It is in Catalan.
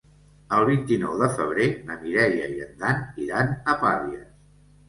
El vint-i-nou de febrer na Mireia i en Dan iran a Pavies.